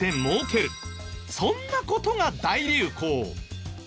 そんな事が大流行。